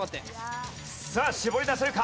さあ絞り出せるか？